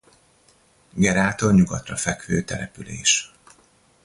Gerától nyugatra fekvő település.